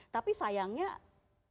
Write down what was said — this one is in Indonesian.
tapi sayangnya kenapa itu yang dipikirkan